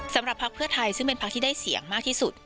พักเพื่อไทยซึ่งเป็นพักที่ได้เสียงมากที่สุด